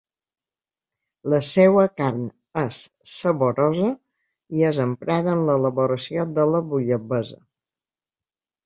La seua carn és saborosa i és emprada en l'elaboració de la bullabessa.